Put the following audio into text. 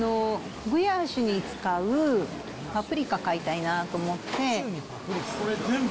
グヤーシュに使うパプリカ買いたいなと思って。